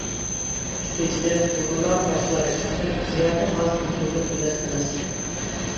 ئىككىنچىدىن، ئۇيغۇرلار باشقىلار ئېيتقاندەك زىيادە ئاز نوپۇزلۇق مىللەت ئەمەس.